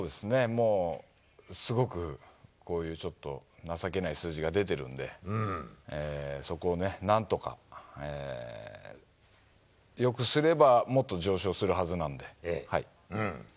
もうすごくこういうちょっと、情けない数字が出てるんで、そこをね、なんとかよくすればもっと上昇するはずなので。